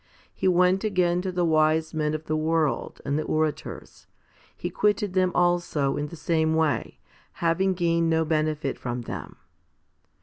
He went again to the wise men of the world and the orators : he quitted them also in the same way, having gained no benefit from them.